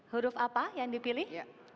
huruf apa yang dipilih